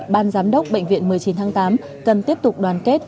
ban giám đốc bệnh viện một mươi chín tháng tám cần tiếp tục đoàn kết